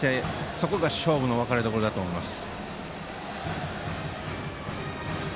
そこが勝負の分かれどころだと思います。